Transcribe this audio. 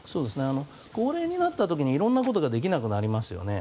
高齢になった時に色んなことができなくなりますよね。